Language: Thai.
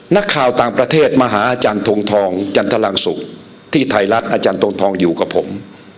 นักข่าวต่างประเทศมาหาอาจารย์ทงทองจันทรังสุที่ไทยรัฐอาจารย์ทรงทองอยู่กับผม